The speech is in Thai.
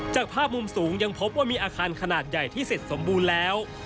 จากภาพมุมสูงยังพบว่ามีอาคารขนาดใหญ่ที่เสร็จสมบูรณ์แล้ว